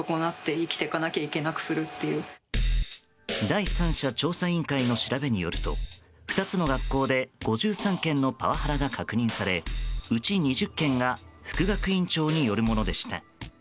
第三者調査委員会の調べによると２つの学校で５３件のパワハラが確認されうち２０件が副学院長によるものでした。